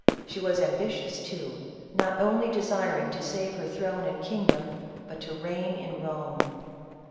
She was ambitious, too, not only desiring to save her throne and kingdom, but to reign in Rome.